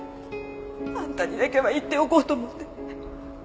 あんたにだけは言っておこうと思って。